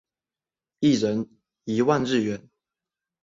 一人一万日元